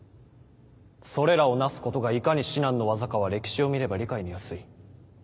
それらをなすことがいかに至難の業かは歴史を見れば理解に易い。